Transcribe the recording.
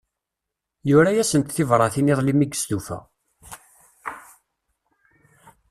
Yura-asent tibratin iḍelli mi yestufa.